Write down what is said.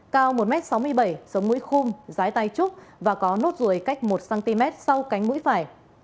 cao một m sáu mươi bảy sống mũi khung rái tay trúc và có nốt ruồi cách một cm sau cánh mũi phải